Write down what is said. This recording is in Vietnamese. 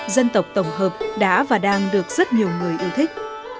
dân tộc tổng hợp đã và đang được rất nhiều người yêu thích